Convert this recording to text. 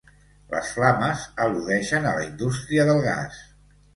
Les flames al·ludeixen a la indústria del gas.